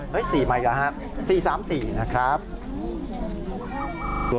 เฮ้ยสี่ไม่แล้วฮะ๔๓๔นะครับ